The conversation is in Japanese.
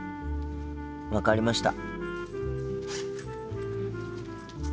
分かりました。